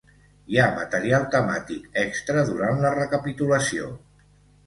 Hi ha material temàtic extra durant la recapitulació.